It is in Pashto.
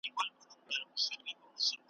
نن بوډا سبا زلمی سم نن خزان سبا بهار یم `